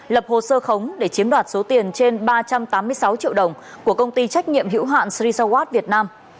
lập hồ sơ khống để chiếm đoạt số tiền trên ba trăm tám mươi sáu triệu đồng của công ty trách nhiệm hữu hạn srisa watt việt nam